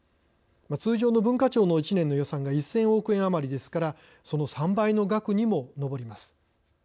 通常の文化庁の１年の予算が１，０００億円余りですからその３倍の額にも上ります。